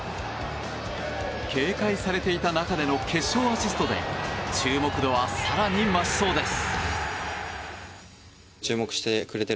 警戒されていた中での決勝アシストで注目度は、更に増しそうです。